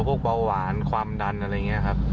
พวกเบาหวานความดันอะไรอย่างนี้ครับ